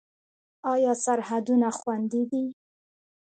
آیا سرحدونه خوندي دي؟